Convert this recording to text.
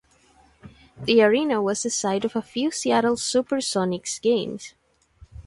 The arena was the site of a few Seattle SuperSonics games.